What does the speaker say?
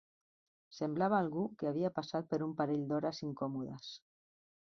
Semblava algú que havia passat per un parell d'hores incòmodes.